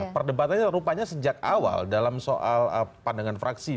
perdebatannya rupanya sejak awal dalam soal pandangan fraksi